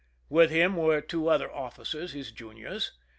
"With him were two other officers, his juniors.